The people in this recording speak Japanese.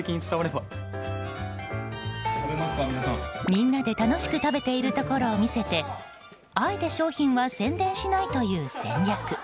みんなで楽しく食べているところを見せてあえて商品は宣伝しないという戦略。